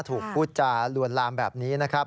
ถูกพูดจาลวนลามแบบนี้นะครับ